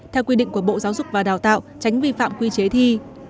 theo quy định của bộ giáo dục và đào tạo tránh vi phạm quy chế thi